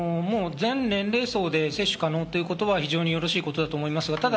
全年齢層で接種可能ということは非常によろしいことかと思います。